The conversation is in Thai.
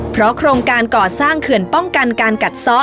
เพราะโครงการก่อสร้างเขื่อนป้องกันการกัดซ้อ